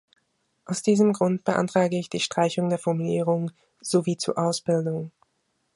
Aus diesem Grund beantrage ich die Streichung der Formulierung "sowie zur Ausbildung".